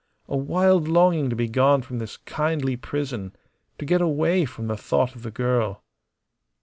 A wild longing to be gone from this kindly prison to get away from the thought of the girl.